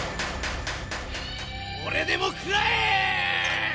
これでも食らえ！